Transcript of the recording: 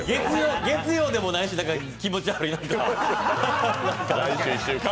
月曜でもないし、気持ち悪いな。